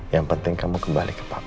yang penting kamu kembali ke papua